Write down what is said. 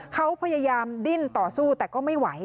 เขาพยายามดิ้นต่อสู้แต่ก็ไม่ไหว